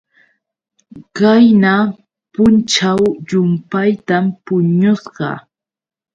Qayna punćhaw llumpaytam puñusqa.